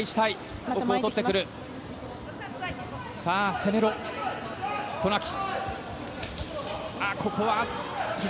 攻める渡名喜。